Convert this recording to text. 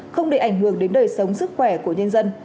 không để ảnh hưởng đến đời sống sức khỏe của nhân dân